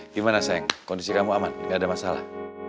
gimana sayang kondisi kamu aman gak ada masalah